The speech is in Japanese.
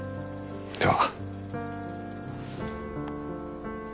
では。